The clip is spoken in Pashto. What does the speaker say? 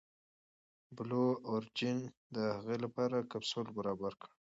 بلو اوریجن د هغې لپاره کپسول برابر کړ.